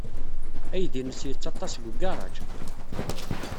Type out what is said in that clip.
Aydi-nnes yettaḍḍas deg ugaṛaj.